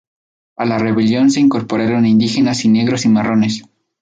A la rebelión se incorporaron indígenas y negros cimarrones.